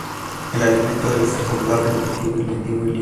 El alimento debe ser saludable, nutritivo y limpio.